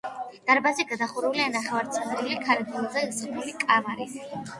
დარბაზი გადახურულია ნახევარცილინდრული, ქარგილზე სხმული კამარით.